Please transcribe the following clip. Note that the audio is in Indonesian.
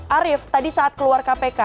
arief tadi saat keluar kpk